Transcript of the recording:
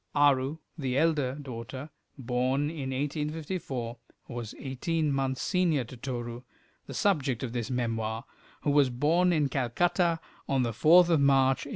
Aru, the elder daughter, born in 1854, was eighteen months senior to Toru, the subject of this memoir, who was born in Calcutta on the 4th of March, 1856.